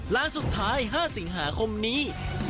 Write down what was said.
ร้านสุดท้าย๕สิงหาคมนี้